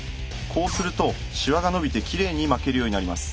こうするとシワが伸びてきれいに巻けるようになります。